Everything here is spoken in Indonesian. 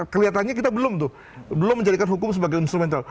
kelihatannya kita belum tuh belum menjadikan hukum sebagai instrumental